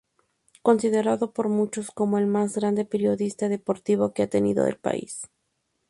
Considerado por muchos como el más grande periodista deportivo que ha tenido el país.